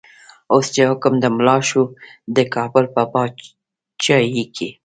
اوس چی حکم د ملا شو، د کابل په با چايې کی